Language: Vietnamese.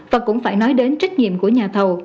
và cũng phải nói đến trách nhiệm của nhà thầu